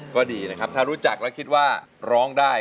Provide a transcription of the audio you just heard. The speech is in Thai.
ก็ดีนะครับถ้ารู้จักแล้วคิดว่าร้องได้